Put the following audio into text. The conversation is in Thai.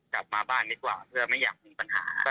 กลับมาบ้านดีกว่าเพื่อไม่อยากมีปัญหา